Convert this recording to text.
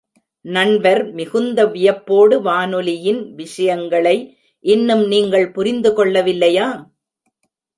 நண்பர் மிகுந்த வியப்போடு, வானொலியின் விஷயங்களை இன்னும் நீங்கள் புரிந்து கொள்ள வில்லையா?